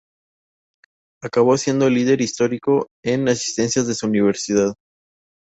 Acabó siendo el líder histórico en asistencias de su universidad.